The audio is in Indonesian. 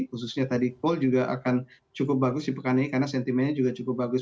khususnya tadi cool juga akan cukup bagus di pekan ini karena sentimennya juga cukup bagus